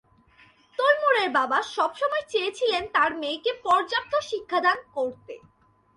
তৈমুরের বাবা সবসময় চেয়েছিলেন তার মেয়েকে পর্যাপ্ত শিক্ষাদান করতে।